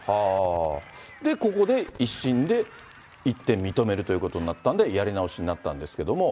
ここで１審で、一転、認めるということになったのでやり直しになったんですけども。